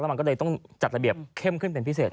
มันก็เลยต้องจัดระเบียบเข้มขึ้นเป็นพิเศษ